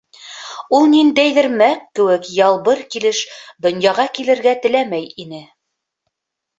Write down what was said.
Ул ниндәйҙер мәк кеүек ялбыр килеш донъяға килергә теләмәй ине.